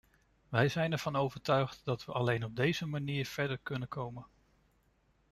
Wij zijn ervan overtuigd dat we alleen op deze manier verder kunnen komen.